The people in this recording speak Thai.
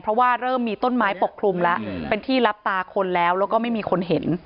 เพราะว่าเริ่มมีต้นไม้ปกคลุมแล้วเป็นที่รับตาคนแล้วแล้วก็ไม่มีคนเห็น